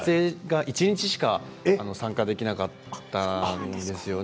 撮影は一日しか参加できなかったんですね。